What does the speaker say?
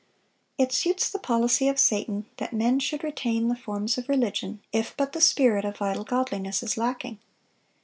It suits the policy of Satan, that men should retain the forms of religion, if but the spirit of vital godliness is lacking.